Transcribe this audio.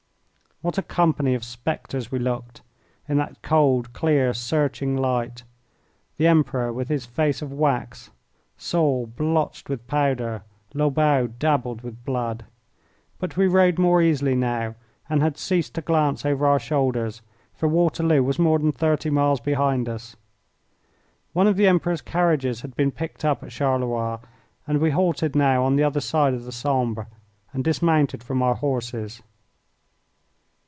What a company of spectres we looked in that cold, clear, searching light, the Emperor with his face of wax, Soult blotched with powder, Lobau dabbled with blood! But we rode more easily now, and had ceased to glance over our shoulders, for Waterloo was more than thirty miles behind us. One of the Emperor's carriages had been picked up at Charleroi, and we halted now on the other side of the Sambre, and dismounted from our horses.